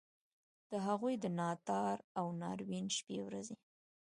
د هغوی د ناتار او ناورین شپې ورځي.